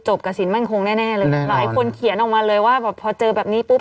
กับสินมั่นคงแน่แน่เลยหลายคนเขียนออกมาเลยว่าแบบพอเจอแบบนี้ปุ๊บ